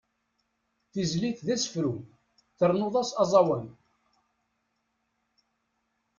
Tizlit d asefru, ternuḍ-as aẓawan.